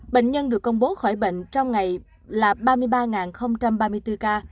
bệnh nhân được công bố khỏi bệnh trong ngày là ba mươi ba ba mươi bốn ca